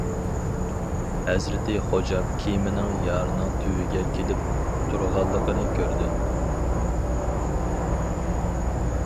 ھەزرىتى خوجام كېمىنىڭ يارنىڭ تۈۋىگە كېلىپ تۇرغانلىقىنى كۆردى.